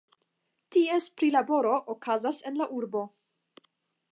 Ties prilaboro okazas en la urbo.